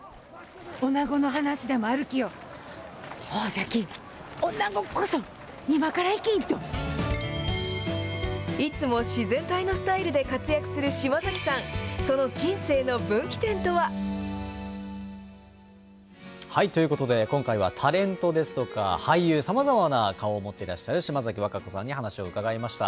おなごの話でもあるきよ、ほうじゃき、おなごこそ、いつも自然体のスタイルで活躍する島崎さん。ということで、今回はタレントですとか、俳優、さまざまな顔を持ってらっしゃる島崎和歌子さんに話を伺いました。